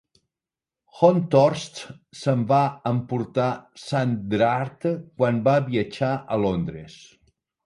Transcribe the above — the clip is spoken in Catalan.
Honthorst se'n va emportar Sandrart quan va viatjar a Londres.